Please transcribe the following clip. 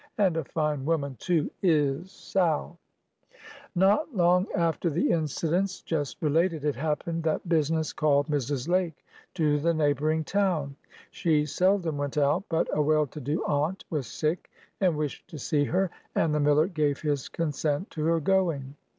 And a fine woman, too, is Sal!" Not long after the incidents just related, it happened that business called Mrs. Lake to the neighboring town. She seldom went out, but a well to do aunt was sick, and wished to see her; and the miller gave his consent to her going.